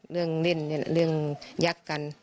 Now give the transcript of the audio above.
เรื่องเล่นเรื่องยักษ์กัน